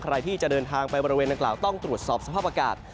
ใครที่จะเดินทางไปบริเวณนางกล่าวต้องตรวจสอบสภาพอากาศ